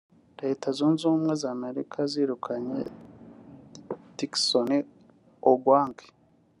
Leta zunze ubumwe z’Amerika zirukanye Dickson Ogwang